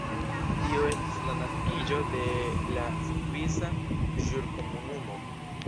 Tio estis la naskiĝo de la Svisa Ĵurkomunumo.